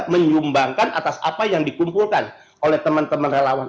menyumbangkan atas apa yang dikumpulkan oleh teman teman relawan